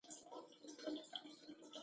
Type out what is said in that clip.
له دې مشعله تمدن رڼا اخلي.